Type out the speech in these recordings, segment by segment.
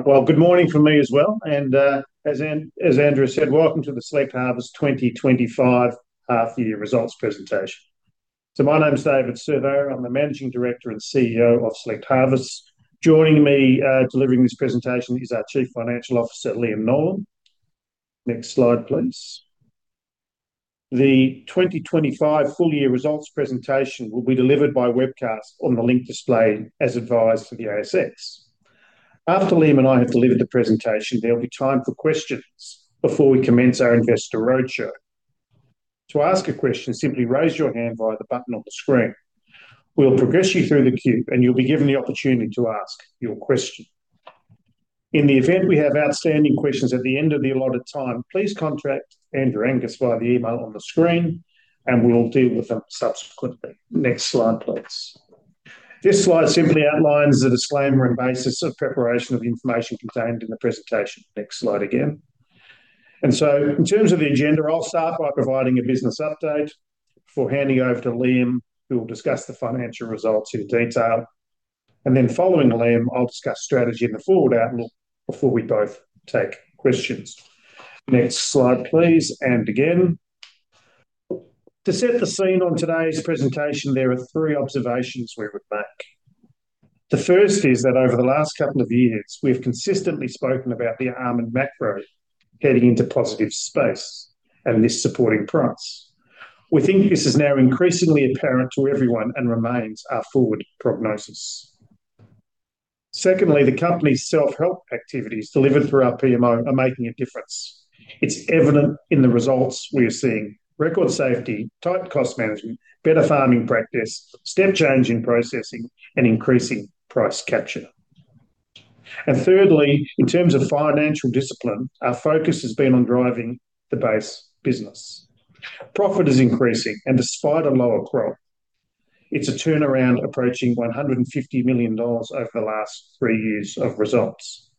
Good morning from me as well. As Andrew said, welcome to the Select Harvests 2025 half-year results presentation. My name's David Surveyor. I'm the Managing Director and CEO of Select Harvests. Joining me delivering this presentation is our Chief Financial Officer, Liam Nolan. Next slide, please. The 2025 full-year results presentation will be delivered by webcast on the link displayed as advised for the ASX. After Liam and I have delivered the presentation, there'll be time for questions before we commence our investor roadshow. To ask a question, simply raise your hand via the button on the screen. We'll progress you through the queue, and you'll be given the opportunity to ask your question. In the event we have outstanding questions at the end of the allotted time, please contact Andrew Angus via the email on the screen, and we'll deal with them subsequently. Next slide, please. This slide simply outlines the disclaimer and basis of preparation of information contained in the presentation. Next slide again. In terms of the agenda, I'll start by providing a business update before handing over to Liam, who will discuss the financial results in detail. Following Liam, I'll discuss strategy and the forward outlook before we both take questions. Next slide, please. To set the scene on today's presentation, there are three observations we would make. The first is that over the last couple of years, we have consistently spoken about the almond macro heading into positive space and this supporting price. We think this is now increasingly apparent to everyone and remains our forward prognosis. Secondly, the company's self-help activities delivered through our PMO are making a difference. It's evident in the results we are seeing: record safety, tight cost management, better farming practice, step-changing processing, and increasing price capture. Thirdly, in terms of financial discipline, our focus has been on driving the base business. Profit is increasing, and despite a lower growth, it's a turnaround approaching 150 million dollars over the last three years of results.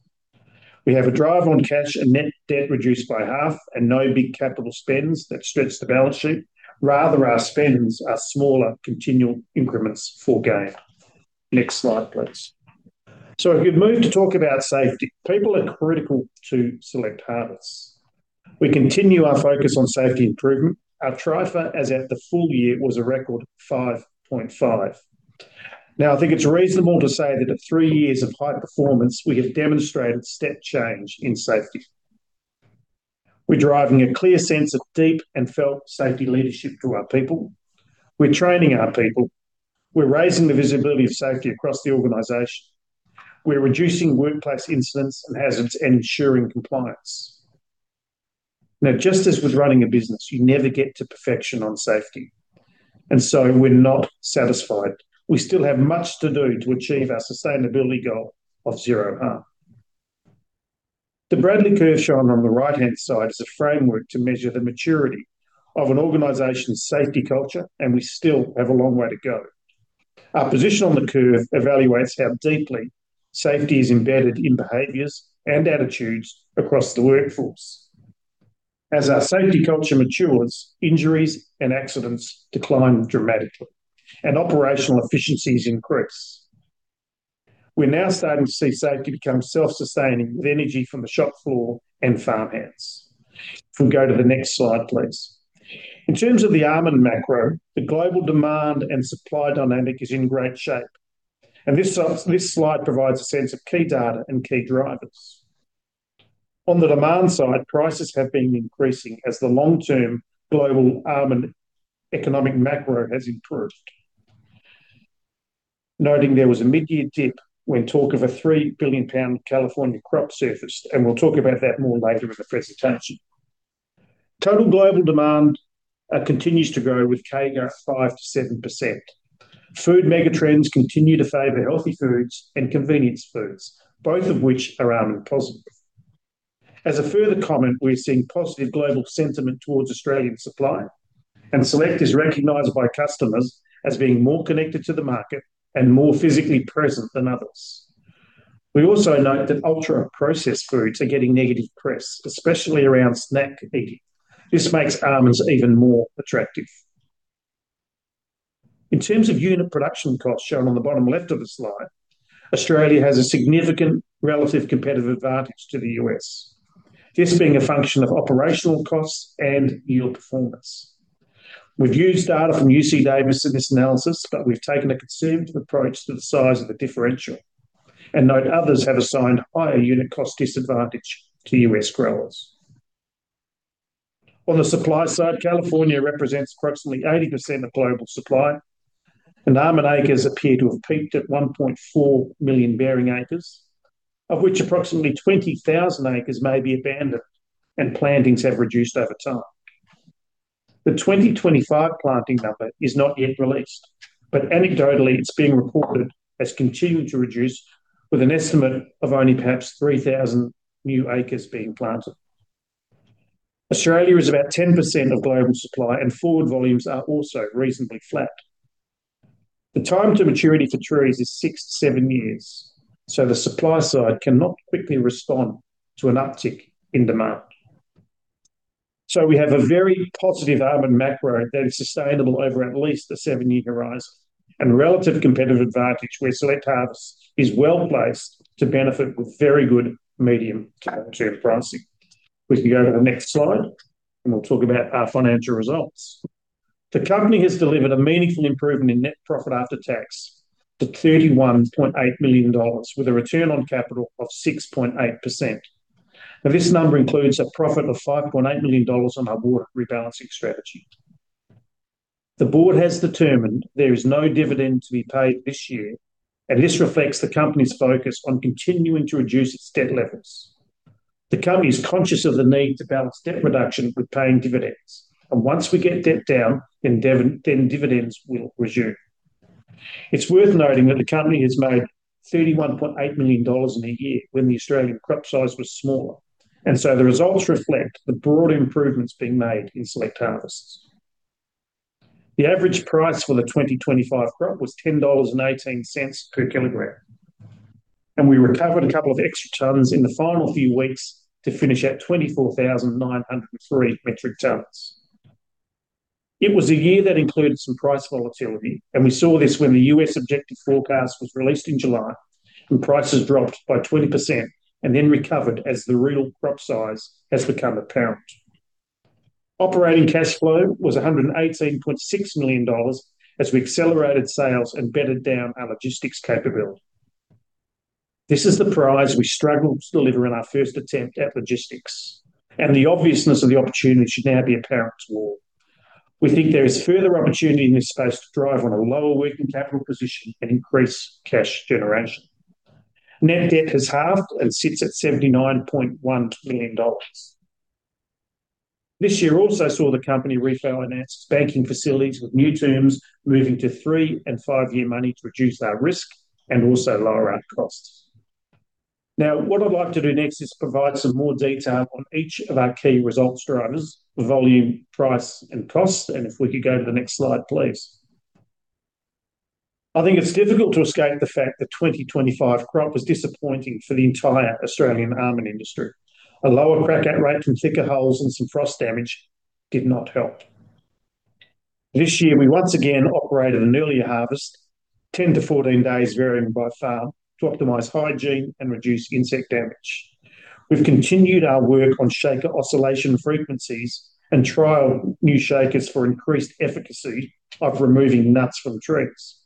We have a drive on cash and net debt reduced by half and no big capital spends that stretch the balance sheet. Rather, our spends are smaller continual increments for gain. Next slide, please. If you move to talk about safety, people are critical to Select Harvests. We continue our focus on safety improvement. Our TRIFR, as at the full year, was a record 5.5. I think it's reasonable to say that at three years of high performance, we have demonstrated step change in safety. We're driving a clear sense of deep and felt safety leadership through our people. We're training our people. We're raising the visibility of safety across the organization. We're reducing workplace incidents and hazards and ensuring compliance. Just as with running a business, you never get to perfection on safety. We're not satisfied. We still have much to do to achieve our sustainability goal of zero harm. The Bradley curve shown on the right-hand side is a framework to measure the maturity of an organization's safety culture, and we still have a long way to go. Our position on the curve evaluates how deeply safety is embedded in behaviors and attitudes across the workforce. As our safety culture matures, injuries and accidents decline dramatically, and operational efficiencies increase. We're now starting to see safety become self-sustaining with energy from the shop floor and farmhands. If we go to the next slide, please. In terms of the almond macro, the global demand and supply dynamic is in great shape. This slide provides a sense of key data and key drivers. On the demand side, prices have been increasing as the long-term global almond economic macro has improved. Noting there was a mid-year dip when talk of a 3 billion-pound California crop surfaced, and we will talk about that more later in the presentation. Total global demand continues to grow with CAGR at 5%-7%. Food megatrends continue to favor healthy foods and convenience foods, both of which are almond positive. As a further comment, we are seeing positive global sentiment towards Australian supply, and Select is recognized by customers as being more connected to the market and more physically present than others. We also note that ultra-processed foods are getting negative press, especially around snack eating. This makes almonds even more attractive. In terms of unit production costs shown on the bottom left of the slide, Australia has a significant relative competitive advantage to the U.S., this being a function of operational costs and yield performance. We've used data from UC Davis in this analysis, but we've taken a conservative approach to the size of the differential and note others have assigned higher unit cost disadvantage to U.S. growers. On the supply side, California represents approximately 80% of global supply, and almond acres appear to have peaked at 1.4 million bearing acres, of which approximately 20,000 acres may be abandoned, and plantings have reduced over time. The 2025 planting number is not yet released, but anecdotally, it's being reported as continuing to reduce, with an estimate of only perhaps 3,000 new acres being planted. Australia is about 10% of global supply, and forward volumes are also reasonably flat. The time to maturity for trees is six to seven years, so the supply side cannot quickly respond to an uptick in demand. We have a very positive almond macro that is sustainable over at least a seven-year horizon, and relative competitive advantage where Select Harvests is well placed to benefit with very good medium-term pricing. We can go to the next slide, and we'll talk about our financial results. The company has delivered a meaningful improvement in net profit after tax to AUD 31.8 million, with a return on capital of 6.8%. This number includes a profit of 5.8 million dollars on our water rebalancing strategy. The board has determined there is no dividend to be paid this year, and this reflects the company's focus on continuing to reduce its debt levers. The company is conscious of the need to balance debt reduction with paying dividends, and once we get debt down, then dividends will resume. It's worth noting that the company has made 31.8 million dollars in a year when the Australian crop size was smaller, and so the results reflect the broad improvements being made in Select Harvests. The average price for the 2025 crop was 10.18 dollars per kilogram, and we recovered a couple of extra tons in the final few weeks to finish at 24,903 metric tons. It was a year that included some price volatility, and we saw this when the U.S. objective forecast was released in July, and prices dropped by 20% and then recovered as the real crop size has become apparent. Operating cash flow was 118.6 million dollars as we accelerated sales and bettered down our logistics capability. This is the price we struggled to deliver in our first attempt at logistics, and the obviousness of the opportunity should now be apparent to all. We think there is further opportunity in this space to drive on a lower working capital position and increase cash generation. Net debt has halved and sits at 79.1 million dollars. This year also saw the company refinance its banking facilities with new terms, moving to three and five-year money to reduce our risk and also lower our costs. Now, what I'd like to do next is provide some more detail on each of our key results drivers: volume, price, and cost. If we could go to the next slide, please. I think it's difficult to escape the fact that the 2025 crop was disappointing for the entire Australian almond industry. A lower crack-out rate from thicker hulls and some frost damage did not help. This year, we once again operated an earlier harvest, 10-14 days varying by farm, to optimize hygiene and reduce insect damage. We've continued our work on shaker oscillation frequencies and trialed new shakers for increased efficacy of removing nuts from trees.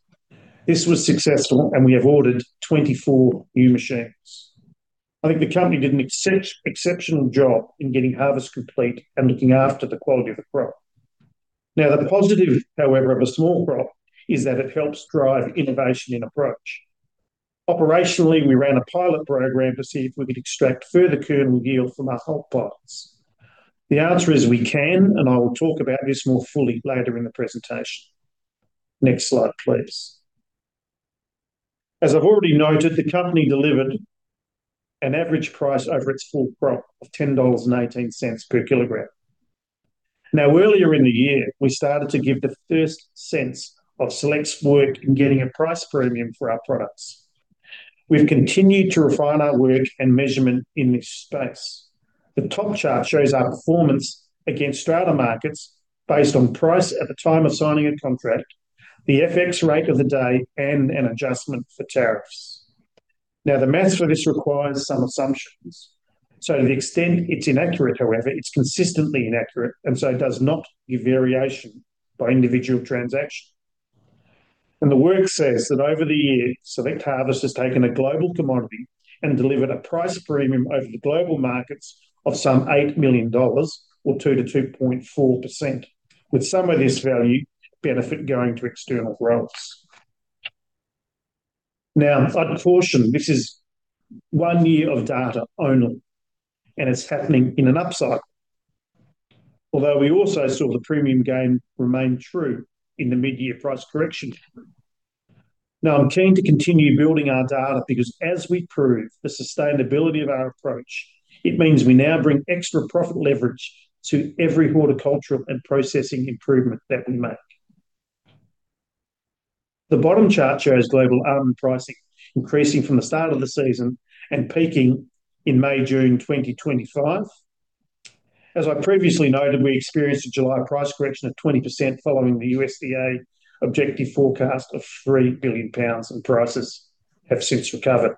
This was successful, and we have ordered 24 new machines. I think the company did an exceptional job in getting harvest complete and looking after the quality of the crop. Now, the positive, however, of a small crop is that it helps drive innovation in approach. Operationally, we ran a pilot program to see if we could extract further kernel yield from our hull pods. The answer is we can, and I will talk about this more fully later in the presentation. Next slide, please. As I've already noted, the company delivered an average price over its full crop of 10.18 dollars per kilogram. Now, earlier in the year, we started to give the first sense of Select's work in getting a price premium for our products. We've continued to refine our work and measurement in this space. The top chart shows our performance against strata markets based on price at the time of signing a contract, the FX rate of the day, and an adjustment for tariffs. Now, the math for this requires some assumptions. To the extent it's inaccurate, however, it's consistently inaccurate and so does not give variation by individual transaction. The work says that over the year, Select Harvests has taken a global commodity and delivered a price premium over the global markets of about 8 million dollars or 2%-2.4%, with some of this value benefit going to external growers. I'd caution, this is one year of data only, and it's happening in an upside, although we also saw the premium gain remain true in the mid-year price correction. I'm keen to continue building our data because as we prove the sustainability of our approach, it means we now bring extra profit leverage to every horticultural and processing improvement that we make. The bottom chart shows global almond pricing increasing from the start of the season and peaking in May, June 2025. As I previously noted, we experienced a July price correction of 20% following the USDA objective forecast of 3 billion pounds and prices have since recovered.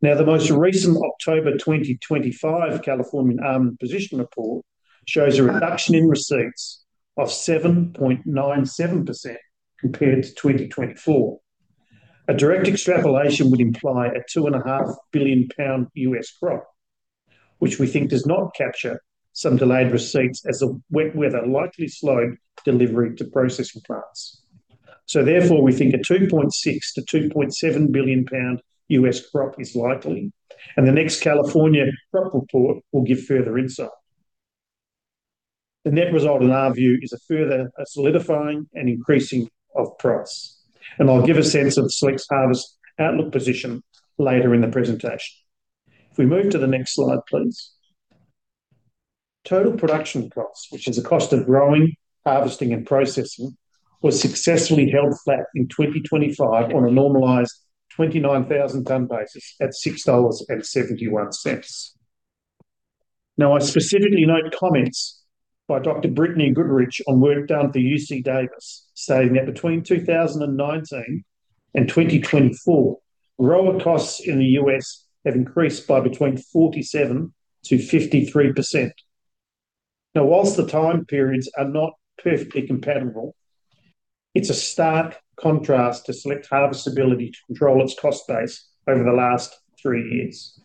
Now, the most recent October 2025 California almond position report shows a reduction in receipts of 7.97% compared to 2024. A direct extrapolation would imply a 2.5 billion pound U.S. crop, which we think does not capture some delayed receipts as the wet weather likely slowed delivery to processing plants. Therefore, we think a 2.6 billion-2.7 billion pound U.S. crop is likely, and the next California crop report will give further insight. The net result, in our view, is a further solidifying and increasing of price, and I'll give a sense of Select Harvests' outlook position later in the presentation. If we move to the next slide, please. Total production costs, which is the cost of growing, harvesting, and processing, was successfully held flat in 2025 on a normalised 29,000 tons basis at 6.71 dollars. Now, I specifically note comments by Dr. Brittney Goodrich on work done for UC Davis, saying that between 2019 and 2024, grower costs in the U.S. have increased by between 47%-53%. Now, whilst the time periods are not perfectly compatible, it's a stark contrast to Select Harvests' ability to control its cost base over the last three years.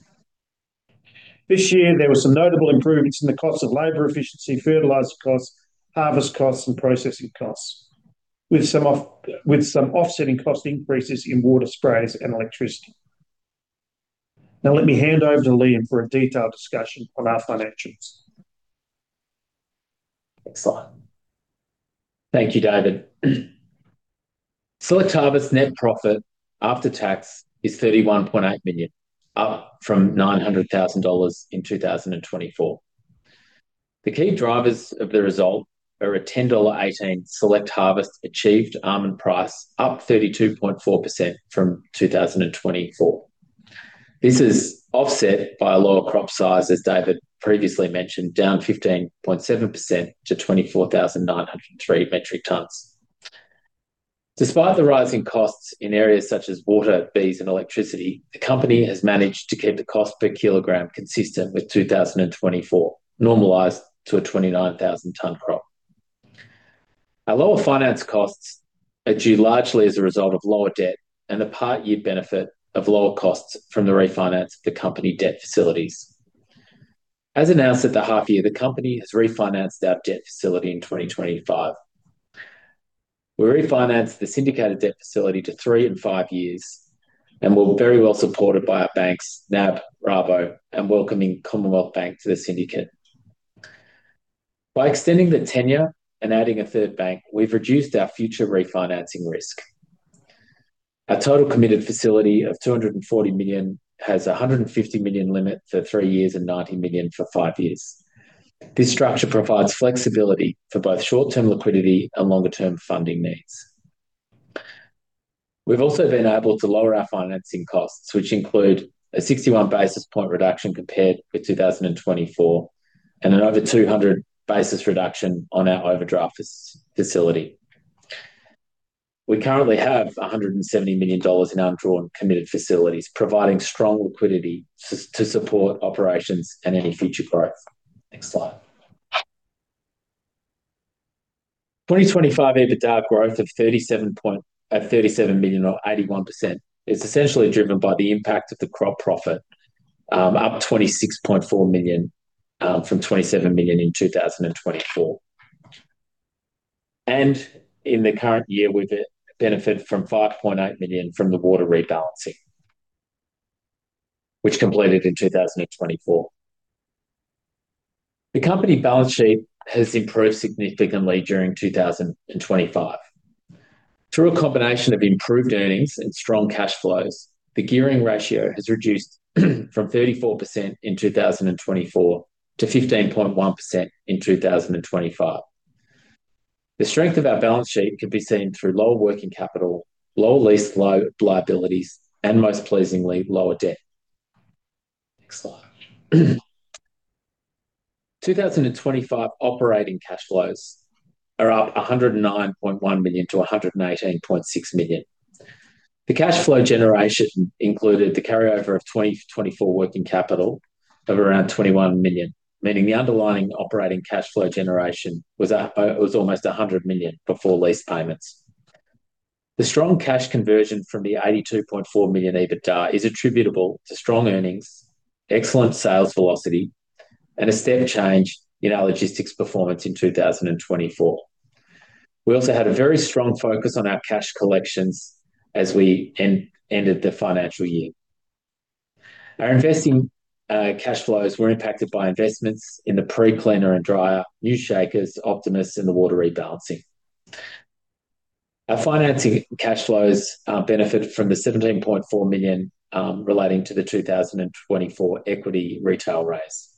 This year, there were some notable improvements in the cost of labor efficiency, fertilizer costs, harvest costs, and processing costs, with some offsetting cost increases in water sprays and electricity. Now, let me hand over to Liam for a detailed discussion on our financials. Excellent. Thank you, David. Select Harvests' net profit after tax is AUD 31.8 million, up from AUD 900,000 in 2024. The key drivers of the result are a AUD 10.18 Select Harvests' achieved almond price, up 32.4% from 2024. This is offset by a lower crop size, as David previously mentioned, down 15.7% to 24,903 metric tons. Despite the rising costs in areas such as water, bees, and electricity, the company has managed to keep the cost per kilogram consistent with 2024, normalised to a 29,000-tons crop. Our lower finance costs are due largely as a result of lower debt and the part-year benefit of lower costs from the refinance of the company debt facilities. As announced at the half-year, the company has refinanced our debt facility in 2025. We refinanced the syndicated debt facility to three and five years and were very well supported by our banks, NAB, Rabobank, and welcoming Commonwealth Bank to the syndicate. By extending the tenure and adding a third bank, we've reduced our future refinancing risk. Our total committed facility of 240 million has a 150 million limit for three years and 90 million for five years. This structure provides flexibility for both short-term liquidity and longer-term funding needs. We've also been able to lower our financing costs, which include a 61 basis point reduction compared with 2024 and an over 200 basis point reduction on our overdraft facility. We currently have 170 million dollars in undrawn committed facilities, providing strong liquidity to support operations and any future growth. Next slide. 2025 EBITDA growth of 37.81% is essentially driven by the impact of the crop profit, up 26.4 million from 27 million in 2024. In the current year, we've benefited from 5.8 million from the water rebalancing, which completed in 2024. The company balance sheet has improved significantly during 2025. Through a combination of improved earnings and strong cash flows, the gearing ratio has reduced from 34% in 2024 to 15.1% in 2025. The strength of our balance sheet can be seen through lower working capital, lower lease liabilities, and most pleasingly, lower debt. Next slide. 2025 operating cash flows are up 109.1 million to 118.6 million. The cash flow generation included the carryover of 2024 working capital of around 21 million, meaning the underlying operating cash flow generation was almost 100 million before lease payments. The strong cash conversion from the 82.4 million EBITDA is attributable to strong earnings, excellent sales velocity, and a step change in our logistics performance in 2024. We also had a very strong focus on our cash collections as we ended the financial year. Our investing cash flows were impacted by investments in the pre-cleaner and dryer, new shakers, Optimus, and the water rebalancing. Our financing cash flows benefited from the 17.4 million relating to the 2024 equity retail raise.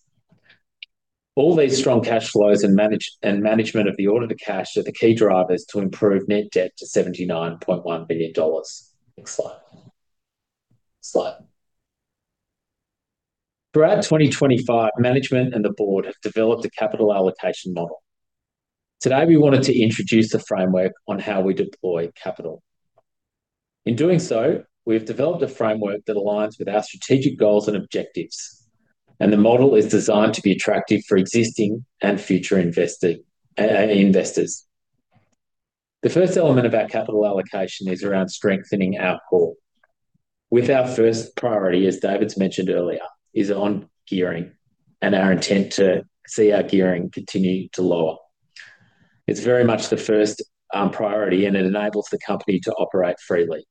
All these strong cash flows and management of the audited cash are the key drivers to improve net debt to 79.1 million dollars. Next slide. For our 2025, management and the board have developed a capital allocation model. Today, we wanted to introduce the framework on how we deploy capital. In doing so, we have developed a framework that aligns with our strategic goals and objectives, and the model is designed to be attractive for existing and future investors. The first element of our capital allocation is around strengthening our core. With our first priority, as David's mentioned earlier, is on gearing and our intent to see our gearing continue to lower. It's very much the first priority, and it enables the company to operate freely.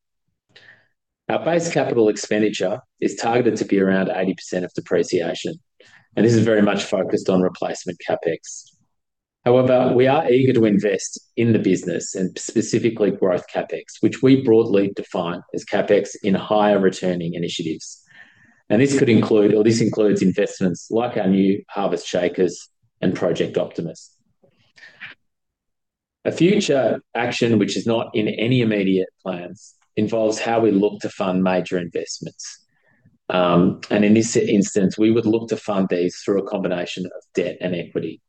Our base capital expenditure is targeted to be around 80% of depreciation, and this is very much focused on replacement CapEx. However, we are eager to invest in the business and specifically growth CapEx, which we broadly define as CapEx in higher returning initiatives. This could include, or this includes, investments like our new Harvest shakers and Project Optimus. A future action, which is not in any immediate plans, involves how we look to fund major investments. In this instance, we would look to fund these through a combination of debt and equity.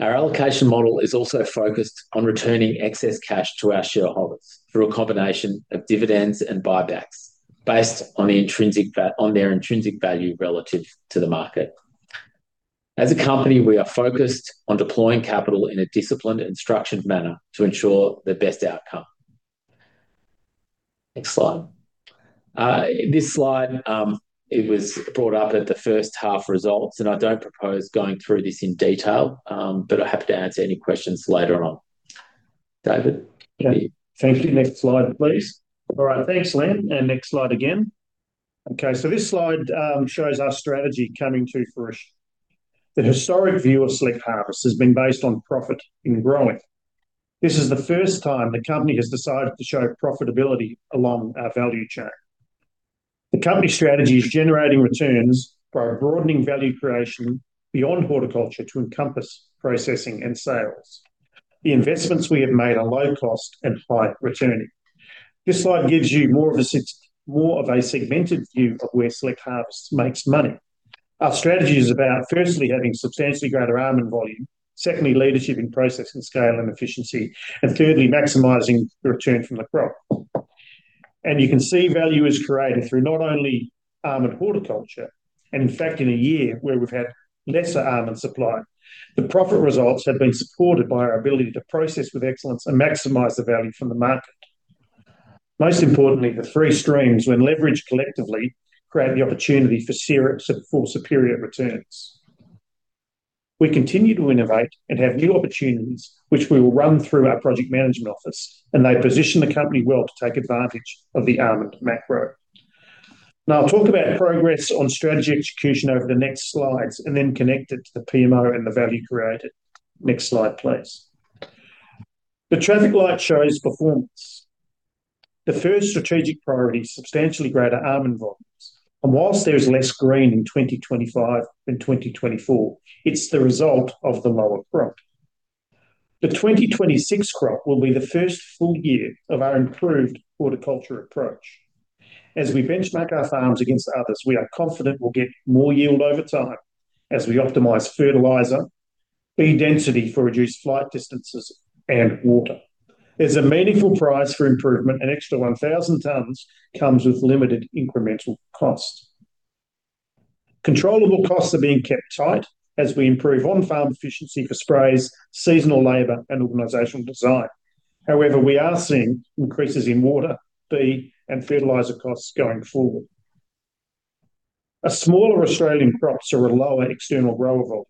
Our allocation model is also focused on returning excess cash to our shareholders through a combination of dividends and buybacks based on their intrinsic value relative to the market. As a company, we are focused on deploying capital in a disciplined and structured manner to ensure the best outcome. Next slide. This slide, it was brought up at the first half results, and I don't propose going through this in detail, but I'm happy to answer any questions later on. David. Thank you. Next slide, please. All right, thanks, Liam. Next slide again. Okay, this slide shows our strategy coming to fruition. The historic view of Select Harvests has been based on profit in growing. This is the first time the company has decided to show profitability along our value chain. The company strategy is generating returns by broadening value creation beyond horticulture to encompass processing and sales. The investments we have made are low cost and high returning. This slide gives you more of a segmented view of where Select Harvests makes money. Our strategy is about firstly having substantially greater almond volume, secondly, leadership in processing scale and efficiency, and thirdly, maximising the return from the crop. You can see value is created through not only almond horticulture, and in fact, in a year where we've had lesser almond supply, the profit results have been supported by our ability to process with excellence and maximize the value from the market. Most importantly, the three streams, when leveraged collectively, create the opportunity for cereal to perform superior returns. We continue to innovate and have new opportunities, which we will run through our project management office, and they position the company well to take advantage of the almond macro. Now, I'll talk about progress on strategy execution over the next slides and then connect it to the PMO and the value created. Next slide, please. The traffic light shows performance. The first strategic priority is substantially greater almond volumes. Whilst there's less green in 2025 than 2024, it's the result of the lower crop. The 2026 crop will be the first full year of our improved horticulture approach. As we benchmark our farms against others, we are confident we'll get more yield over time as we optimize fertilizer, bee density for reduced flight distances, and water. There's a meaningful price for improvement, and an extra 1,000 tons comes with limited incremental costs. Controllable costs are being kept tight as we improve on-farm efficiency for sprays, seasonal labor, and organizational design. However, we are seeing increases in water, bee, and fertilizer costs going forward. A smaller Australian crop means a lower external grower volume.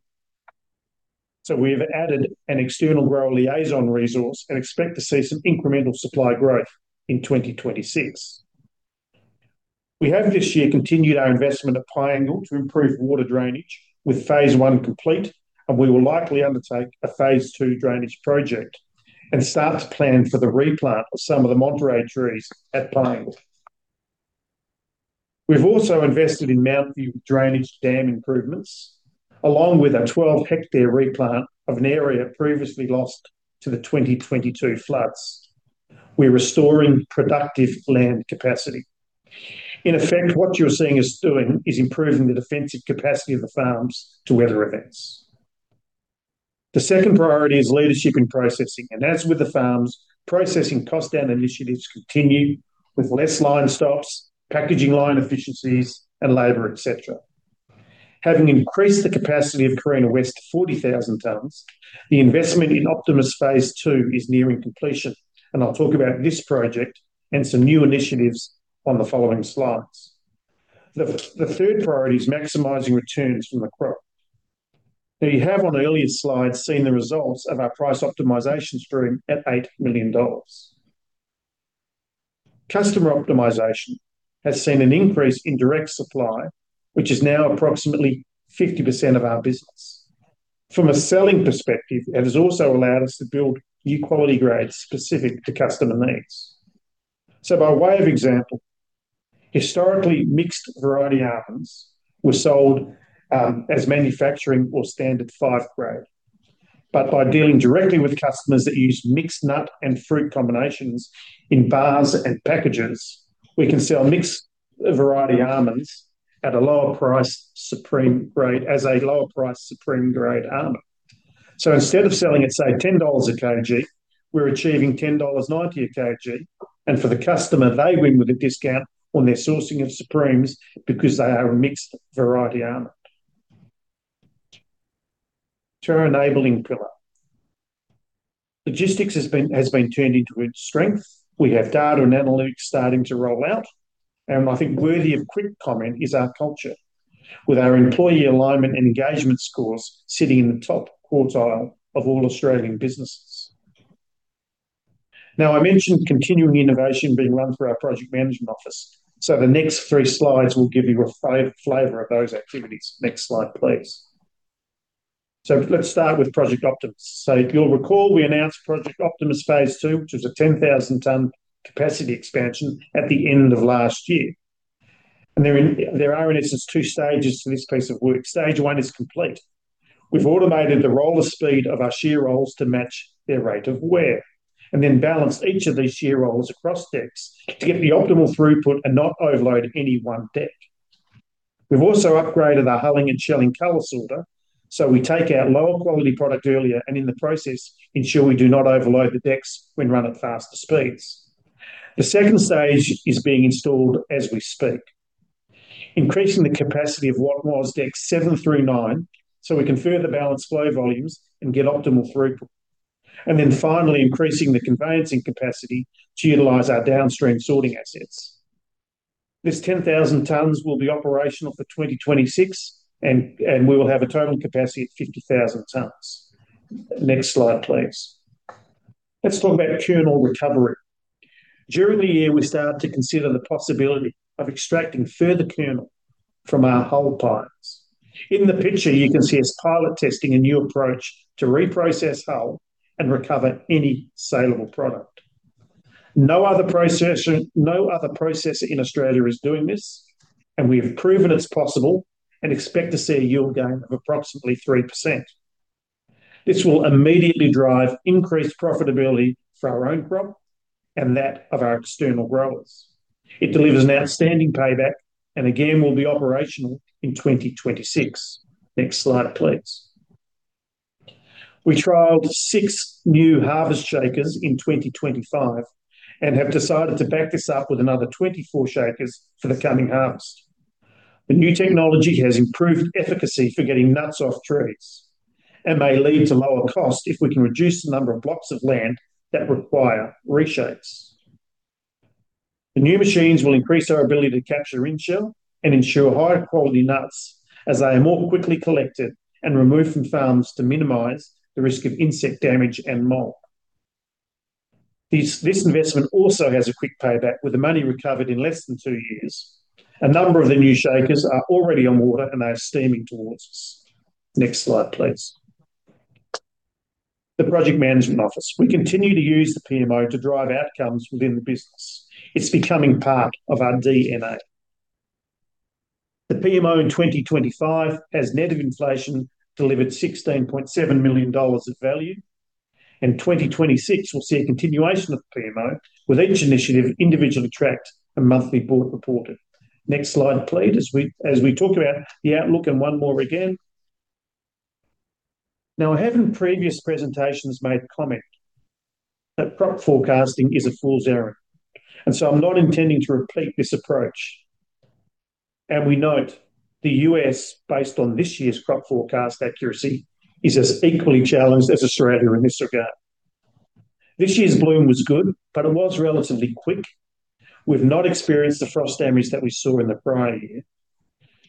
We have added an external grower liaison resource and expect to see some incremental supply growth in 2026. We have this year continued our investment at Piangil to improve water drainage with phase I complete, and we will likely undertake a phase III drainage project and start to plan for the replant of some of the Monterey trees at Piangil. We have also invested in Mountview drainage dam improvements, along with a 12-hectare replant of an area previously lost to the 2022 floods. We are restoring productive land capacity. In effect, what you are seeing is improving the defensive capacity of the farms to weather events. The second priority is leadership in processing, and as with the farms, processing cost and initiatives continue with less line stops, packaging line efficiencies, and labor, etc. Having increased the capacity of Carina West to 40,000 tons, the investment in Optimus phase II is nearing completion, and I will talk about this project and some new initiatives on the following slides. The third priority is maximising returns from the crop. Now, you have on the earlier slides seen the results of our price optimisation stream at 8 million dollars. Customer optimisation has seen an increase in direct supply, which is now approximately 50% of our business. From a selling perspective, it has also allowed us to build new quality grades specific to customer needs. By way of example, historically, mixed variety almonds were sold as manufacturing or standard five grade. By dealing directly with customers that use mixed nut and fruit combinations in bars and packages, we can sell mixed variety almonds at a lower price supreme grade as a lower price supreme grade almond. Instead of selling at, say, 10 dollars a kg, we're achieving 10.90 dollars a kg, and for the customer, they win with a discount on their sourcing of supremes because they are a mixed variety almond. To our enabling pillar, logistics has been turned into a strength. We have data and analytics starting to roll out, and I think worthy of quick comment is our culture, with our employee alignment and engagement scores sitting in the top quartile of all Australian businesses. I mentioned continuing innovation being run through our project management office, so the next three slides will give you a flavour of those activities. Next slide, please. Let's start with Project Optimus. If you'll recall, we announced Project Optimus phase II, which was a 10,000-tons capacity expansion at the end of last year. There are, in essence, two stages to this piece of work. Stage one is complete. We've automated the roller speed of our shear rolls to match their rate of wear and then balanced each of these shear rolls across decks to get the optimal throughput and not overload any one deck. We've also upgraded our hulling and shelling color sorter, so we take our lower quality product earlier and, in the process, ensure we do not overload the decks when run at faster speeds. The second stage is being installed as we speak, increasing the capacity of what was decks seven through nine so we can further balance flow volumes and get optimal throughput. Finally, increasing the conveyancing capacity to utilize our downstream sorting assets. This 10,000 tons will be operational for 2026, and we will have a total capacity of 50,000 tons. Next slide, please. Let's talk about kernel recovery. During the year, we started to consider the possibility of extracting further kernel from our hull piles. In the picture, you can see us pilot testing a new approach to reprocess hull and recover any salable product. No other processor in Australia is doing this, and we have proven it's possible and expect to see a yield gain of approximately 3%. This will immediately drive increased profitability for our own crop and that of our external growers. It delivers an outstanding payback and, again, will be operational in 2026. Next slide, please. We trialled six new Harvest shakers in 2025 and have decided to back this up with another 24 shakers for the coming harvest. The new technology has improved efficacy for getting nuts off trees and may lead to lower costs if we can reduce the number of blocks of land that require reshapes. The new machines will increase our ability to capture wind chill and ensure higher quality nuts as they are more quickly collected and removed from farms to minimize the risk of insect damage and mold. This investment also has a quick payback with the money recovered in less than two years. A number of the new shakers are already on water, and they are steaming towards us. Next slide, please. The project management office. We continue to use the PMO to drive outcomes within the business. It's becoming part of our DMA. The PMO in 2025 has net of inflation delivered 16.7 million dollars of value, and 2026 will see a continuation of the PMO with each initiative individually tracked and monthly board reported. Next slide, please, as we talk about the outlook and one more again. Now, I haven't, in previous presentations, made a comment that crop forecasting is a fool's errand, and so I'm not intending to repeat this approach. We note the U.S., based on this year's crop forecast accuracy, is as equally challenged as Australia in this regard. This year's bloom was good, but it was relatively quick. We've not experienced the frost damage that we saw in the prior year.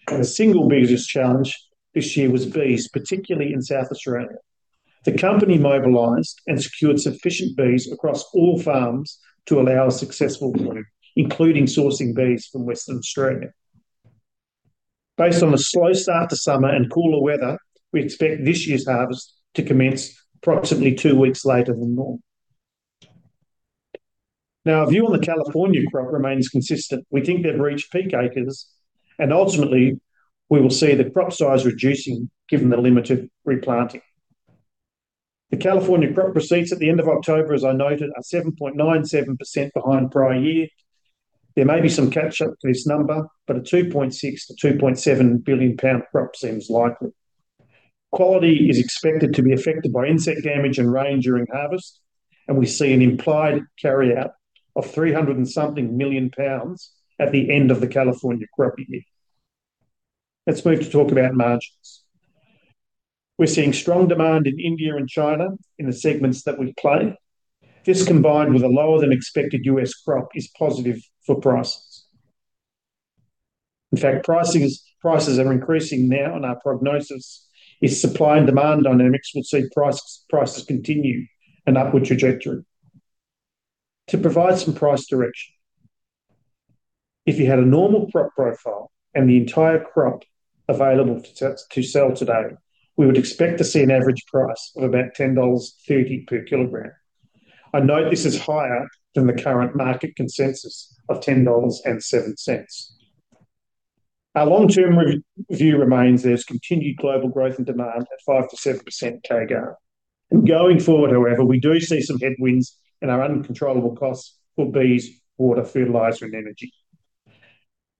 The single biggest challenge this year was bees, particularly in South Australia. The company mobilized and secured sufficient bees across all farms to allow a successful bloom, including sourcing bees from Western Australia. Based on a slow start to summer and cooler weather, we expect this year's harvest to commence approximately two weeks later than normal. A view on the California crop remains consistent. We think they've reached peak acres, and ultimately, we will see the crop size reducing given the limit of replanting. The California crop receipts at the end of October, as I noted, are 7.97% behind prior year. There may be some catch-up to this number, but a 2.6 billion-2.7 billion pound crop seems likely. Quality is expected to be affected by insect damage and rain during harvest, and we see an implied carryout of 300 and something million pounds at the end of the California crop year. Let's move to talk about margins. We're seeing strong demand in India and China in the segments that we play. This, combined with a lower-than-expected U.S. crop, is positive for prices. In fact, prices are increasing now, and our prognosis is supply and demand dynamics will see prices continue an upward trajectory. To provide some price direction, if you had a normal crop profile and the entire crop available to sell today, we would expect to see an average price of about 10.30 dollars per kilogram. I note this is higher than the current market consensus of 10.07 dollars. Our long-term view remains there's continued global growth and demand at 5%-7% CAGR. Going forward, however, we do see some headwinds in our uncontrollable costs for bees, water, fertiliser, and energy.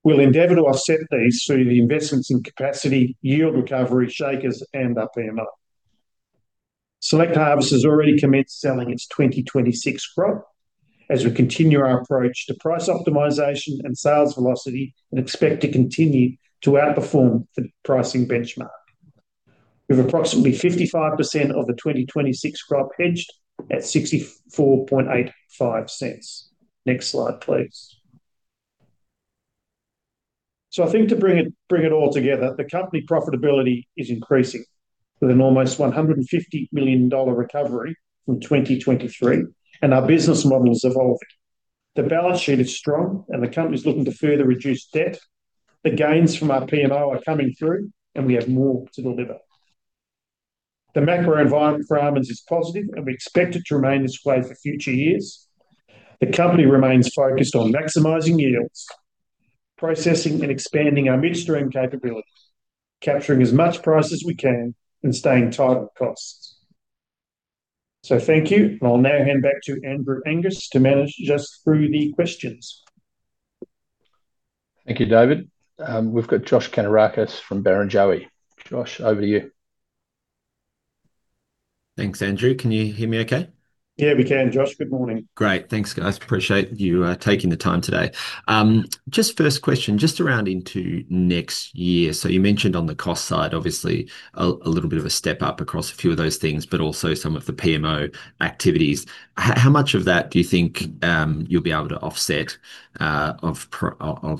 We'll endeavour to offset these through the investments in capacity, yield recovery, shakers, and our PMO. Select Harvests has already commenced selling its 2026 crop as we continue our approach to price optimisation and sales velocity and expect to continue to outperform the pricing benchmark. We have approximately 55% of the 2026 crop hedged at 0.6485. Next slide, please. I think to bring it all together, the company profitability is increasing with an almost 150 million dollar recovery from 2023, and our business model is evolving. The balance sheet is strong, and the company is looking to further reduce debt. The gains from our PMO are coming through, and we have more to deliver. The macro environment for almonds is positive, and we expect it to remain this way for future years. The company remains focused on maximising yields, processing, and expanding our midstream capabilities, capturing as much price as we can and staying tight on costs. Thank you, and I'll now hand back to Andrew Angus to manage just through the questions. Thank you, David. We've got Josh Kannourakis from Barrenjoey. Josh, over to you. Thanks, Andrew. Can you hear me okay? Yeah, we can, Josh. Good morning. Great. Thanks, guys. Appreciate you taking the time today. Just first question, just around into next year. You mentioned on the cost side, obviously, a little bit of a step up across a few of those things, but also some of the PMO activities. How much of that do you think you'll be able to offset of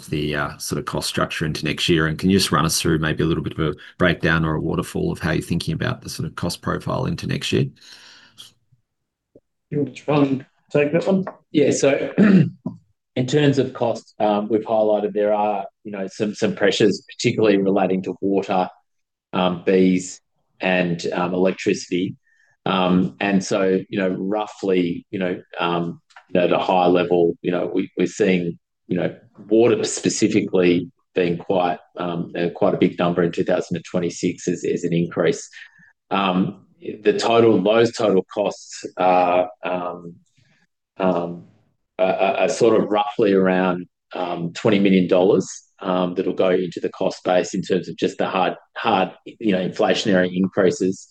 the sort of cost structure into next year? Can you just run us through maybe a little bit of a breakdown or a waterfall of how you're thinking about the sort of cost profile into next year? You want to try and take that one? Yeah. In terms of cost, we've highlighted there are some pressures, particularly relating to water, bees, and electricity. Roughly, at a higher level, we're seeing water specifically being quite a big number in 2026 as an increase. The total lowest total costs are sort of roughly around 20 million dollars that will go into the cost base in terms of just the hard inflationary increases.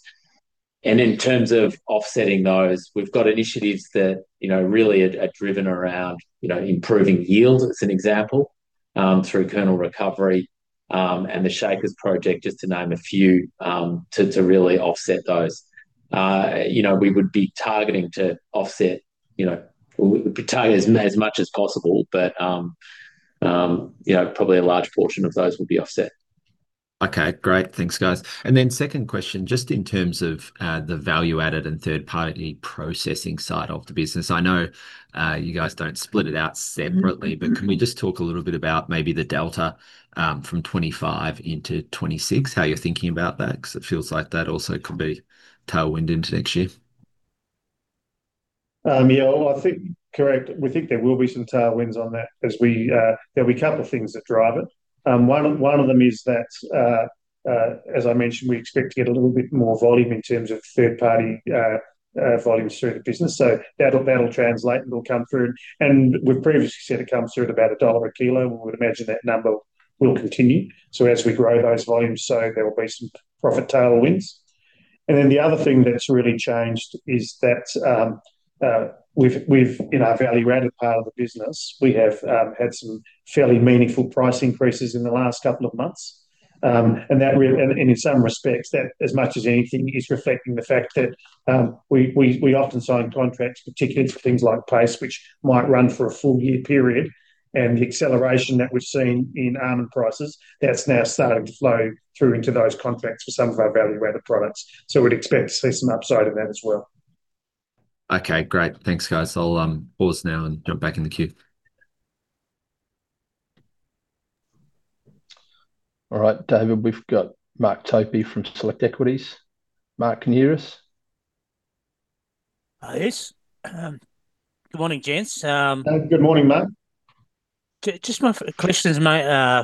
In terms of offsetting those, we've got initiatives that really are driven around improving yield, as an example, through kernel recovery and the shakers project, just to name a few, to really offset those. We would be targeting to offset as much as possible, but probably a large portion of those will be offset. Okay, great. Thanks, guys. Second question, just in terms of the value-added and third-party processing side of the business. I know you guys don't split it out separately, but can we just talk a little bit about maybe the delta from 2025 into 2026, how you're thinking about that? Because it feels like that also could be tailwind into next year. Yeah, I think correct. We think there will be some tailwinds on that. There will be a couple of things that drive it. One of them is that, as I mentioned, we expect to get a little bit more volume in terms of third-party volumes through the business. That will translate and it will come through. We have previously said it comes through at about AUD 1 a kilo, and we would imagine that number will continue as we grow those volumes. There will be some profit tailwinds. The other thing that has really changed is that in our value-added part of the business, we have had some fairly meaningful price increases in the last couple of months. In some respects, that, as much as anything, is reflecting the fact that we often sign contracts, particularly for things like Pace, which might run for a full year period. The acceleration that we've seen in almond prices, that's now starting to flow through into those contracts for some of our value-added products. We'd expect to see some upside in that as well. Okay, great. Thanks, guys. I'll pause now and jump back in the queue. All right, David, we've got Mark Topy from Select Equities. Mark, can you hear us? Yes. Good morning, Jens. Good morning, Mark. Just my questions,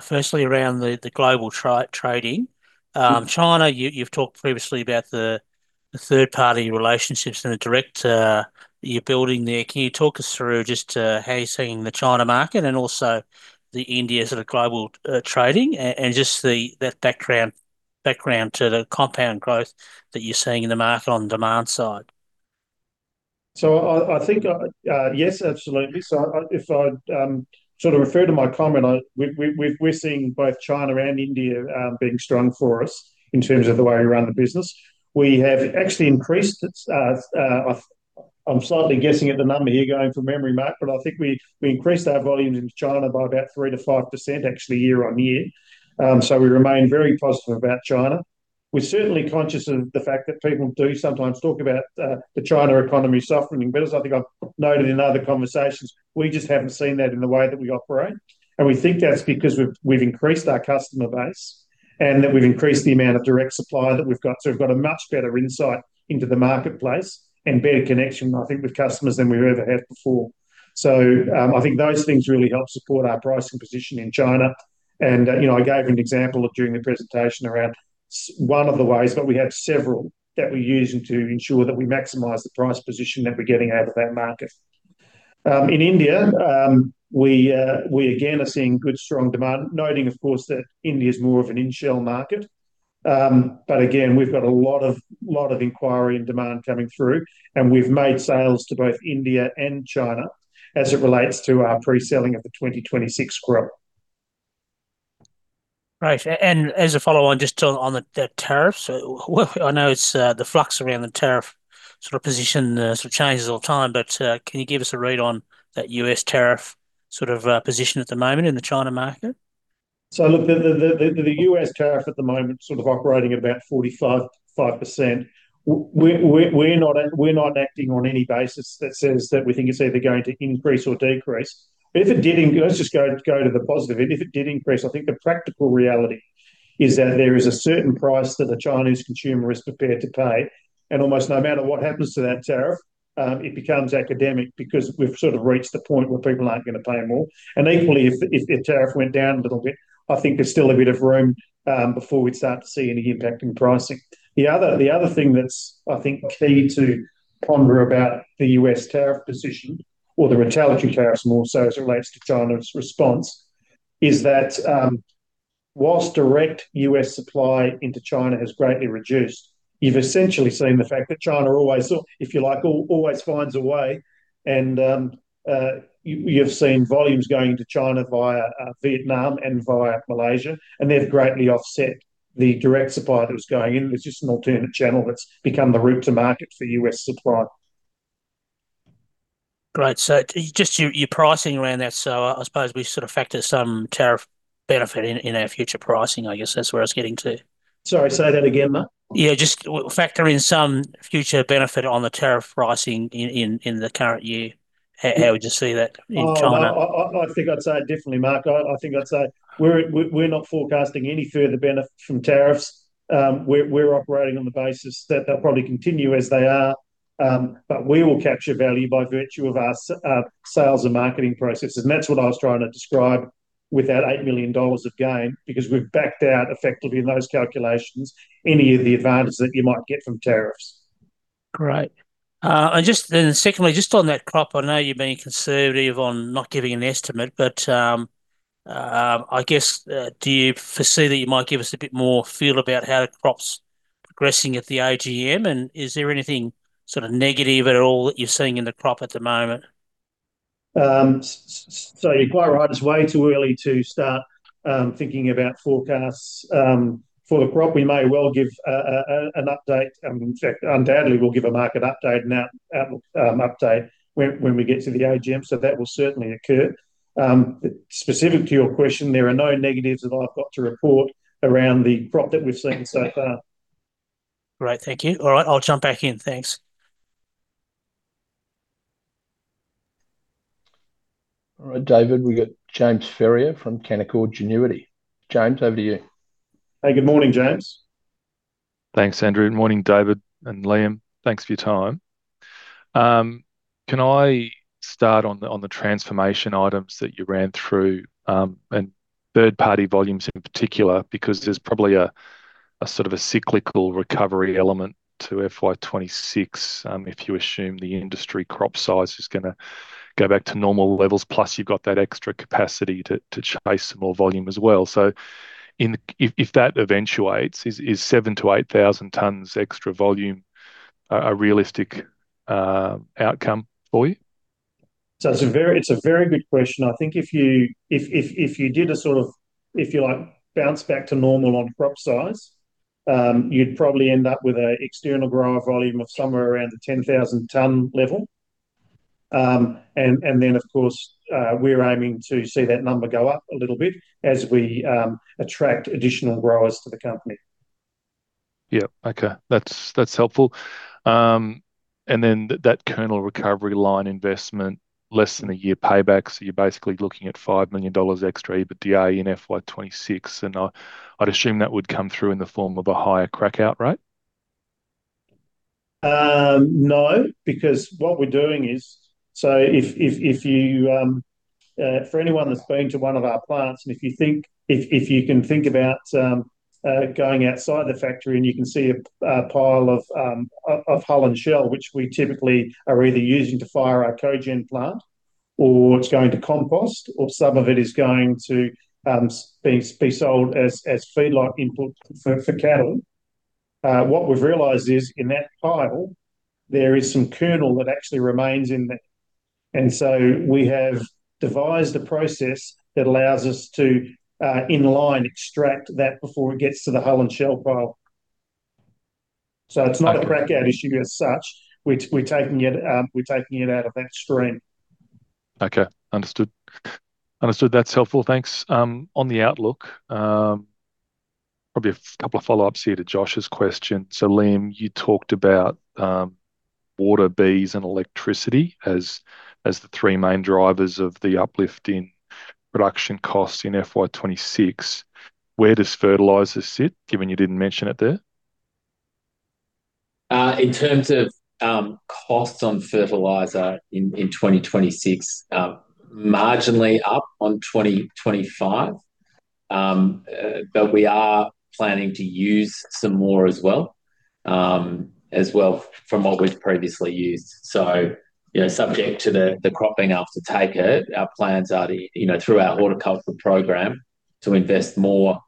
firstly, around the global trading. China, you've talked previously about the third-party relationships and the direct you're building there. Can you talk us through just how you're seeing the China market and also the India sort of global trading and just that background to the compound growth that you're seeing in the market on the demand side? I think yes, absolutely. If I sort of refer to my comment, we're seeing both China and India being strong for us in terms of the way we run the business. We have actually increased, I'm slightly guessing at the number here going from memory, Mark, but I think we increased our volumes in China by about 3%-5% actually year on year. We remain very positive about China. We're certainly conscious of the fact that people do sometimes talk about the China economy suffering a bit. As I think I've noted in other conversations, we just haven't seen that in the way that we operate. We think that's because we've increased our customer base and that we've increased the amount of direct supply that we've got. We've got a much better insight into the marketplace and better connection, I think, with customers than we ever had before. I think those things really help support our pricing position in China. I gave an example during the presentation around one of the ways, but we have several that we use to ensure that we maximize the price position that we're getting out of that market. In India, we again are seeing good, strong demand, noting, of course, that India is more of an in-shell market. Again, we've got a lot of inquiry and demand coming through, and we've made sales to both India and China as it relates to our pre-selling of the 2026 crop. Great. As a follow-on, just on the tariffs, I know the flux around the tariff sort of position changes all the time, but can you give us a read on that U.S. tariff sort of position at the moment in the China market? Look, the U.S. tariff at the moment is sort of operating at about 45%. We're not acting on any basis that says that we think it's either going to increase or decrease. If it did, let's just go to the positive. If it did increase, I think the practical reality is that there is a certain price that the Chinese consumer is prepared to pay. Almost no matter what happens to that tariff, it becomes academic because we've sort of reached the point where people aren't going to pay more. Equally, if the tariff went down a little bit, I think there's still a bit of room before we'd start to see any impact in pricing. The other thing that's, I think, key to ponder about the U.S. tariff decision or the retaliatory tariffs more so as it relates to China's response is that whilst direct U.S. supply into China has greatly reduced, you've essentially seen the fact that China always, if you like, always finds a way. You have seen volumes going into China via Vietnam and via Malaysia, and they have greatly offset the direct supply that was going in. It is just an alternate channel that has become the route to market for U.S. supply. Great. Just your pricing around that, so I suppose we sort of factor some tariff benefit in our future pricing, I guess that is where I was getting to. Sorry, say that again, Mark. Yeah, just factor in some future benefit on the tariff pricing in the current year. How would you see that in China? I think I'd say definitely, Mark. I think I'd say we're not forecasting any further benefit from tariffs. We're operating on the basis that they'll probably continue as they are, but we will capture value by virtue of our sales and marketing processes. That's what I was trying to describe with that 8 million dollars of gain because we've backed out effectively in those calculations any of the advantages that you might get from tariffs. Great. Secondly, just on that crop, I know you've been conservative on not giving an estimate, but I guess, do you foresee that you might give us a bit more feel about how the crop's progressing at the AGM? Is there anything sort of negative at all that you're seeing in the crop at the moment? You're quite right. It's way too early to start thinking about forecasts for the crop. We may well give an update. In fact, undoubtedly, we'll give a market update and outlook update when we get to the AGM. That will certainly occur. Specific to your question, there are no negatives that I've got to report around the crop that we've seen so far. Great. Thank you. All right, I'll jump back in. Thanks. All right, David, we've got James Ferrier from Canaccord Genuity. James, over to you. Hey, good morning, James. Thanks, Andrew. Good morning, David and Liam. Thanks for your time. Can I start on the transformation items that you ran through and third-party volumes in particular because there's probably a sort of a cyclical recovery element to FY 2026 if you assume the industry crop size is going to go back to normal levels. Plus, you've got that extra capacity to chase some more volume as well. If that eventuates, is 7,000-8,000 tons extra volume a realistic outcome for you? It is a very good question. I think if you did a sort of, if you like, bounce back to normal on crop size, you'd probably end up with an external grower volume of somewhere around the 10,000-tons level. Of course, we're aiming to see that number go up a little bit as we attract additional growers to the company. Yep. Okay. That's helpful. That kernel recovery line investment, less than a year payback, so you're basically looking at 5 million dollars extra EBITDA in FY 2026. I'd assume that would come through in the form of a higher crack-out rate. No, because what we're doing is, if you, for anyone that's been to one of our plants, and if you think, if you can think about going outside the factory and you can see a pile of hull and shell, which we typically are either using to fire our cogen plant or it's going to compost, or some of it is going to be sold as feedlot input for cattle, what we've realized is in that pile, there is some kernel that actually remains in there. We have devised a process that allows us to inline extract that before it gets to the hull and shell pile. It's not a crack-out issue as such. We're taking it out of that stream. Okay. Understood. Understood. That's helpful. Thanks. On the outlook, probably a couple of follow-ups here to Josh's question. Liam, you talked about water, bees, and electricity as the three main drivers of the uplift in production costs in FY 2026. Where does fertiliser sit, given you did not mention it there? In terms of costs on fertiliser in 2026, marginally up on 2025, but we are planning to use some more as well, as well from what we have previously used. Subject to the cropping after takeout, our plans are through our horticultural program to invest more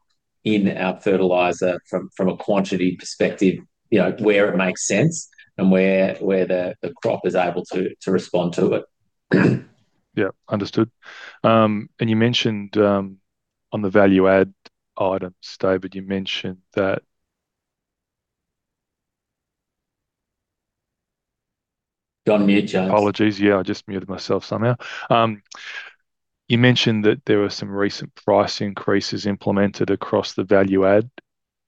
in our fertiliser from a quantity perspective, where it makes sense and where the crop is able to respond to it. Yep. Understood. You mentioned on the value-add items, David, you mentioned that. Gone mute, James. Apologies. Yeah, I just muted myself somehow. You mentioned that there were some recent price increases implemented across the value-add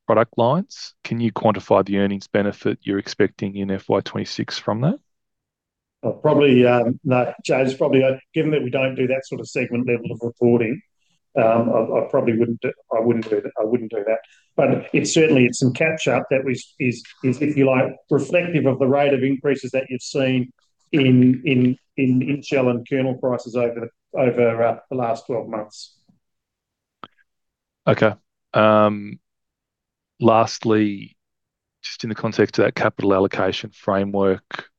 product lines. Can you quantify the earnings benefit you are expecting in FY 2026 from that? Probably no. James, probably given that we do not do that sort of segment level of reporting, I probably would not do that. It is certainly some catch-up that is, if you like, reflective of the rate of increases that you have seen in shell and kernel prices over the last 12 months. Okay. Lastly, just in the context of that capital allocation framework,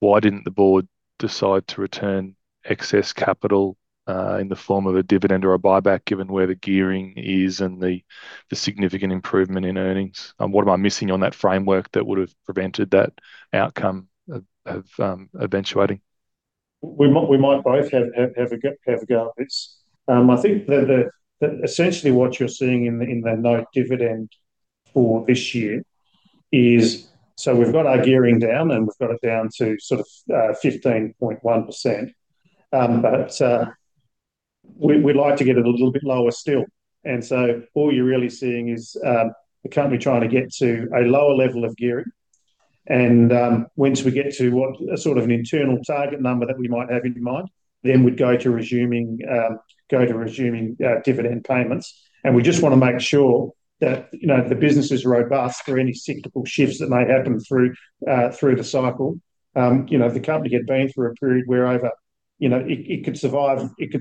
why did the board not decide to return excess capital in the form of a dividend or a buyback given where the gearing is and the significant improvement in earnings? What am I missing on that framework that would have prevented that outcome of eventuating? We might both have a go at this. I think that essentially what you're seeing in the no dividend for this year is, we've got our gearing down and we've got it down to sort of 15.1%, but we'd like to get it a little bit lower still. All you're really seeing is the company trying to get to a lower level of gearing. Once we get to sort of an internal target number that we might have in mind, then we'd go to resuming dividend payments. We just want to make sure that the business is robust for any cyclical shifts that may happen through the cycle. The company had been through a period wherever it could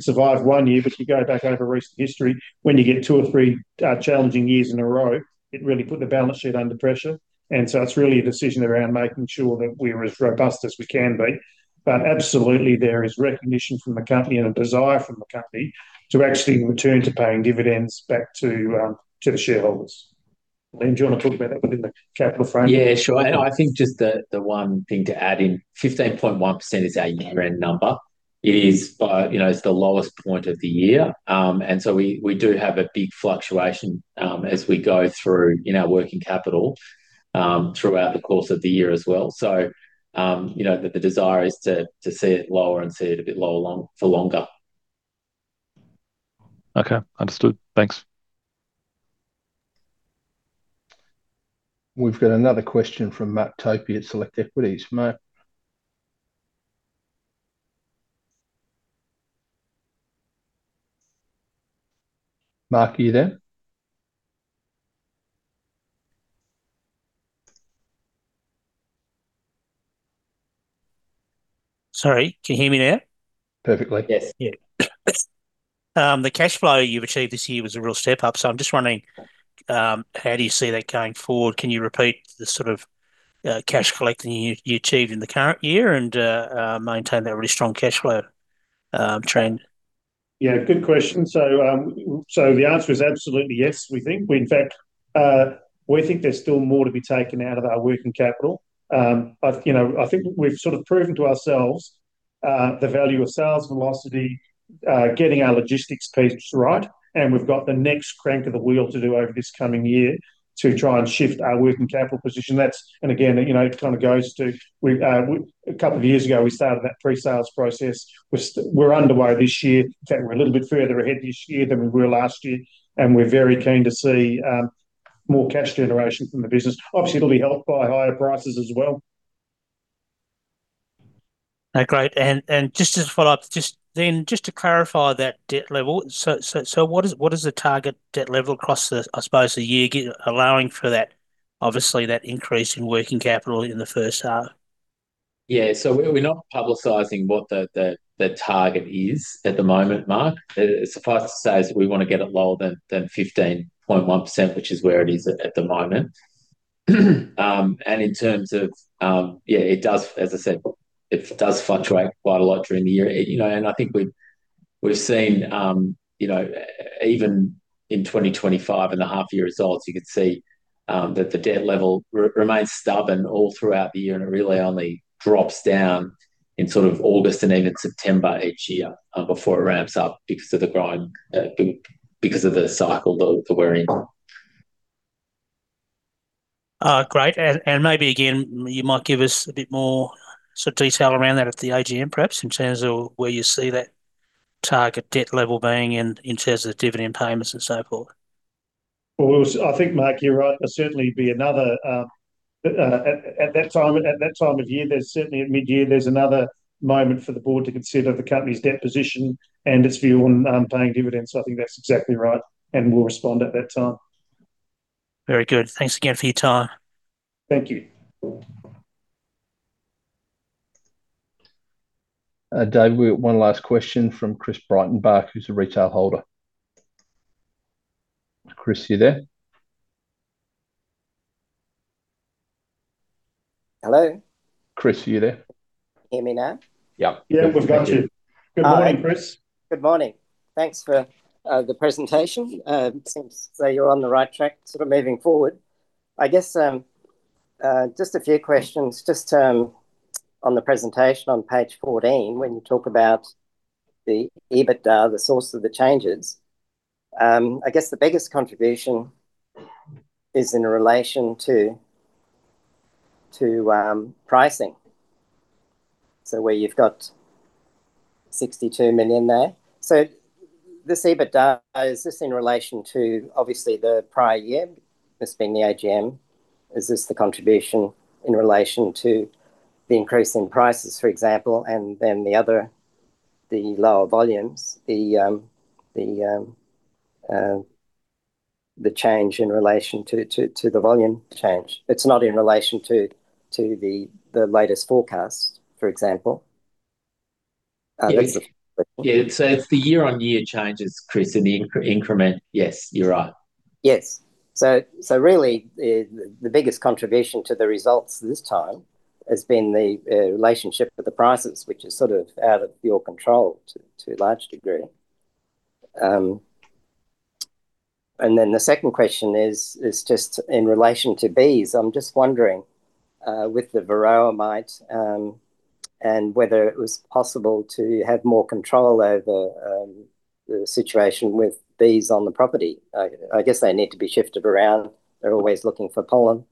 survive one year, but you go back over recent history, when you get two or three challenging years in a row, it really put the balance sheet under pressure. It is really a decision around making sure that we are as robust as we can be. Absolutely, there is recognition from the company and a desire from the company to actually return to paying dividends back to the shareholders. Liam, do you want to talk about that within the capital framework? Yeah, sure. I think just the one thing to add in, 15.1% is our year-end number. It is the lowest point of the year. We do have a big fluctuation as we go through in our working capital throughout the course of the year as well. The desire is to see it lower and see it a bit lower for longer. Okay. Understood. Thanks. We have another question from Mark Topy at Select Equities. Mark, are you there? Sorry, can you hear me now? Perfectly. Yes. The cash flow you've achieved this year was a real step up. I'm just wondering, how do you see that going forward? Can you repeat the sort of cash collecting you achieved in the current year and maintain that really strong cash flow trend? Good question. The answer is absolutely yes, we think. In fact, we think there's still more to be taken out of our working capital. I think we've sort of proven to ourselves the value of sales velocity, getting our logistics piece right, and we've got the next crank of the wheel to do over this coming year to try and shift our working capital position. It kind of goes to a couple of years ago, we started that pre-sales process. We're underway this year. In fact, we're a little bit further ahead this year than we were last year. We are very keen to see more cash generation from the business. Obviously, it will be helped by higher prices as well. Great. Just as a follow-up, Liam, just to clarify that debt level. What is the target debt level across, I suppose, a year allowing for that increase in working capital in the first half? Yeah. We are not publicising what the target is at the moment, Mark. Suffice to say we want to get it lower than 15.1%, which is where it is at the moment. In terms of, yeah, it does, as I said, fluctuate quite a lot during the year. I think we've seen even in 2025 and the half-year results, you can see that the debt level remains stubborn all throughout the year, and it really only drops down in sort of August and even September each year before it ramps up because of the cycle that we're in. Great. Maybe again, you might give us a bit more sort of detail around that at the AGM, perhaps, in terms of where you see that target debt level being in terms of the dividend payments and so forth. I think, Mark, you're right. There'll certainly be another at that time of year, certainly at mid-year, there's another moment for the board to consider the company's debt position and its view on paying dividends. I think that's exactly right. We'll respond at that time. Very good. Thanks again for your time. Thank you. David, we've got one last question from Chris Brighton-Bark, who's a retail holder. Chris, are you there? Hello? Chris, are you there? Hear me now? Yep. Yeah, we've got you. Good morning, Chris. Good morning. Thanks for the presentation. Seems to say you're on the right track sort of moving forward. I guess just a few questions just on the presentation on page 14 when you talk about the EBITDA, the source of the changes. I guess the biggest contribution is in relation to pricing. Where you've got 62 million there. This EBITDA is just in relation to, obviously, the prior year. This being the AGM, is this the contribution in relation to the increase in prices, for example, and then the lower volumes, the change in relation to the volume change? It's not in relation to the latest forecast, for example. Yeah. It's the year-on-year changes, Chris, and the increment. Yes, you're right. Yes. Really, the biggest contribution to the results this time has been the relationship with the prices, which is sort of out of your control to a large degree. The second question is just in relation to bees. I'm just wondering with the Varroa mite and whether it was possible to have more control over the situation with bees on the property. I guess they need to be shifted around. They're always looking for pollen.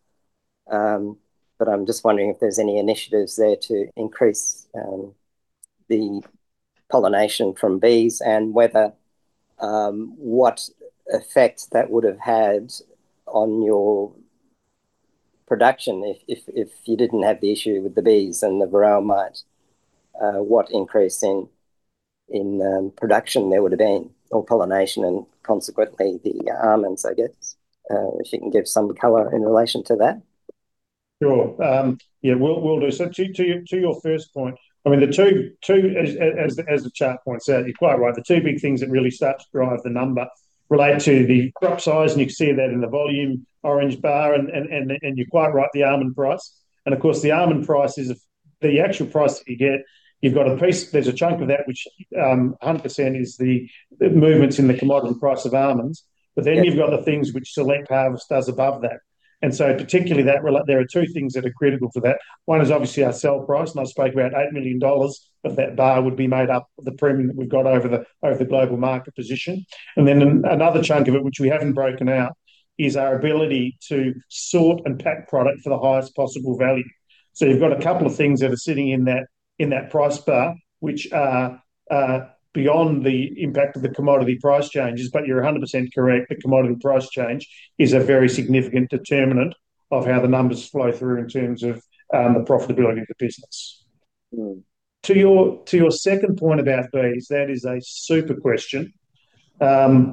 I'm just wondering if there's any initiatives there to increase the pollination from bees and what effect that would have had on your production if you didn't have the issue with the bees and the Varroa mite. What increase in production there would have been or pollination and consequently the almonds, I guess, if you can give some color in relation to that. Sure. Yeah, we'll do so. To your first point, I mean, as the chart points out, you're quite right. The two big things that really start to drive the number relate to the crop size, and you can see that in the volume orange bar, and you're quite right, the almond price. The almond price is the actual price that you get. You've got a piece, there's a chunk of that, which 100% is the movements in the commodity price of almonds, but then you've got the things which Select Harvests does above that. Particularly that, there are two things that are critical for that. One is obviously our sell price, and I spoke about 8 million dollars of that bar would be made up of the premium that we've got over the global market position. Then another chunk of it, which we haven't broken out, is our ability to sort and pack product for the highest possible value. You have a couple of things that are sitting in that price bar, which are beyond the impact of the commodity price changes, but you're 100% correct. The commodity price change is a very significant determinant of how the numbers flow through in terms of the profitability of the business. To your second point about bees, that is a super question. The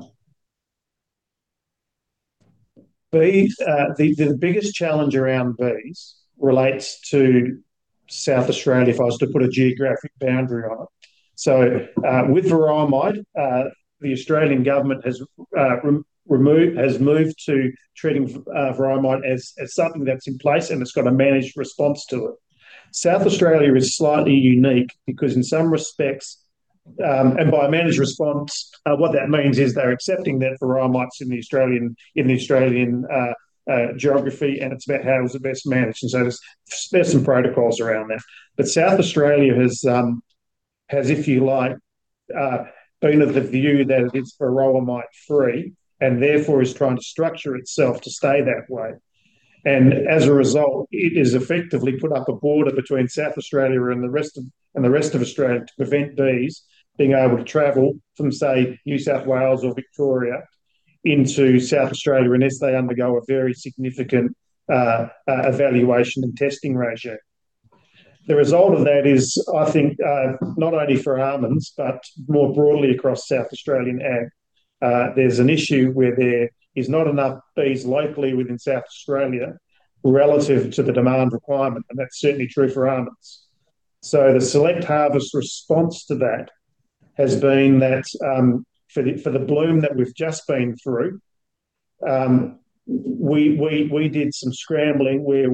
biggest challenge around bees relates to South Australia, if I was to put a geographic boundary on it. With Varroa mite, the Australian government has moved to treating Varroa mite as something that's in place, and it's got a managed response to it. South Australia is slightly unique because in some respects, and by managed response, what that means is they're accepting that Varroa mite's in the Australian geography, and it's about how it was best managed. There are some protocols around that. South Australia has, if you like, been of the view that it's Varroa mite-free and therefore is trying to structure itself to stay that way. As a result, it has effectively put up a border between South Australia and the rest of Australia to prevent bees being able to travel from, say, New South Wales or Victoria into South Australia unless they undergo a very significant evaluation and testing regime. The result of that is, I think, not only for almonds, but more broadly across South Australia, there's an issue where there is not enough bees locally within South Australia relative to the demand requirement. That's certainly true for almonds. The Select Harvests response to that has been that for the bloom that we've just been through, we did some scrambling where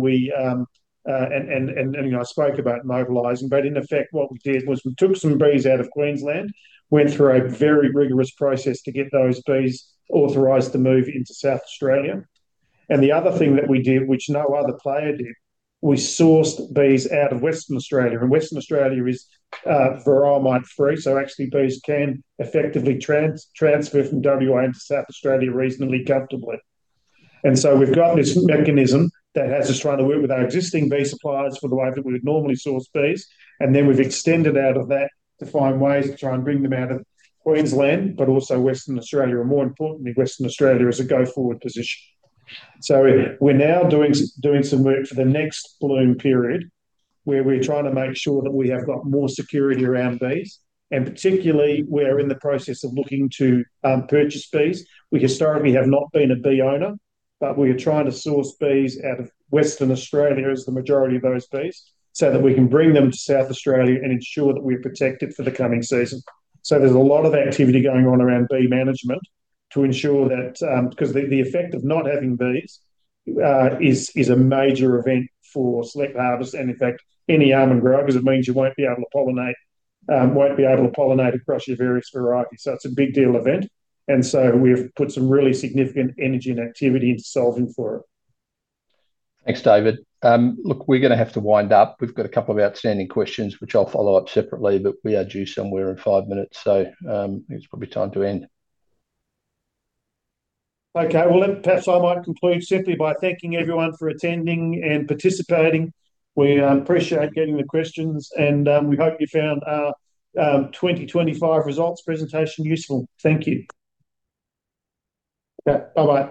we—I spoke about mobilizing—but in effect, what we did was we took some bees out of Queensland, went through a very rigorous process to get those bees authorized to move into South Australia. The other thing that we did, which no other player did, we sourced bees out of Western Australia. Western Australia is Varroa mite-free, so actually bees can effectively transfer from Western Australia into South Australia reasonably comfortably. We have this mechanism that has us trying to work with our existing bee suppliers for the way that we would normally source bees, and then we have extended out of that to find ways to try and bring them out of Queensland, but also Western Australia, or more importantly, Western Australia as a go-forward position. We are now doing some work for the next bloom period where we are trying to make sure that we have got more security around bees. Particularly, we are in the process of looking to purchase bees. We historically have not been a bee owner, but we are trying to source bees out of Western Australia as the majority of those bees so that we can bring them to South Australia and ensure that we are protected for the coming season. There is a lot of activity going on around bee management to ensure that—because the effect of not having bees is a major event for Select Harvests and, in fact, any almond grower, because it means you will not be able to pollinate across your various varieties. It is a big deal event. We have put some really significant energy and activity into solving for it. Thanks, David. Look, we are going to have to wind up. We have a couple of outstanding questions, which I will follow up separately, but we are due somewhere in five minutes. I think it is probably time to end. Okay. Perhaps I might conclude simply by thanking everyone for attending and participating. We appreciate getting the questions, and we hope you found our 2025 results presentation useful. Thank you. Bye-bye.